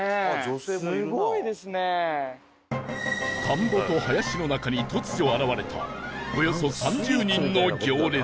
田んぼと林の中に突如現れたおよそ３０人の行列